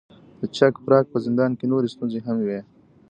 د چک پراګ په زندان کې نورې ستونزې هم وې.